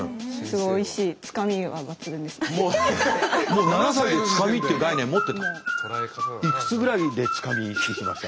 もう７歳でつかみっていう概念持ってた。